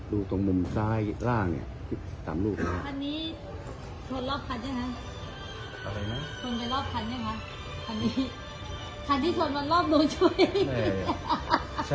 ดูตรงมุมซ้ายล่างเนี่ยตามรูปนะฮะ